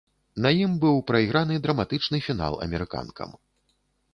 На ім быў прайграны драматычны фінал амерыканкам.